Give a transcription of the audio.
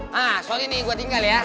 nah soalnya nih gue tinggal ya